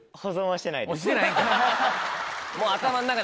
してないんかい。